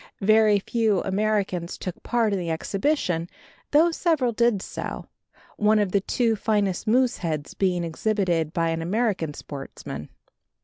Very few Americans took part in the exhibition, though several did so, one of the two finest moose heads being exhibited by an American sportsman.